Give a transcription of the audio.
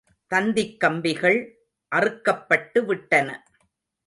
தந்திக் கம்பிகள் அறுக்கப்பட்டுவிட்டன.